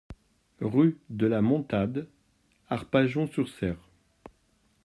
Rue de la Montade, Arpajon-sur-Cère